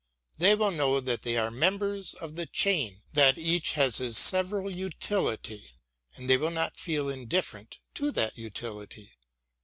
They vyill know that they are members of the chain, that each has his several utility, and they viriU not feel indifferent to that utility.